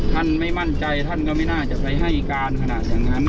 ท่านไม่มั่นใจท่านก็ไม่น่าจะไปให้การขนาดอย่างนั้น